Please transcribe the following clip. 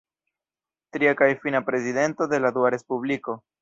Tria kaj fina prezidento de la Dua respubliko.